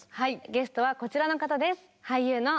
ゲストはこちらの方です。